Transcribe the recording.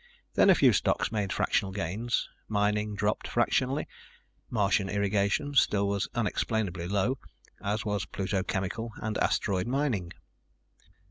Then a few stocks made fractional gains. Mining dropped fractionally. Martian Irrigation still was unexplainably low, as was Pluto Chemical and Asteroid Mining.